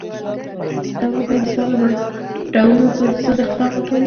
دولت د وسله والو ډلو پرضد اقدام نه کوي.